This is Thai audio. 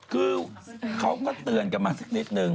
คือเขาก็เตือนกันมาสักนิดนึง